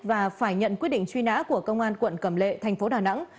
và phải nhận quyết định truy nã của công an quận cẩm lệ thành phố đà nẵng